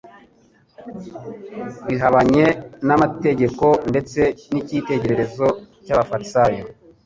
bihabanye n'amategeko ndetse n'icyitegererezo cy'abafarisayo.